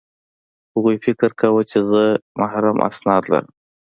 هغوی فکر کاوه چې زه محرم اسناد لرم